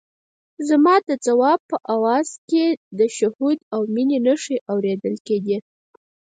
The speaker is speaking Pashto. زما د ځواب په آواز کې د شهوت او مينې نښې اورېدل کېدې.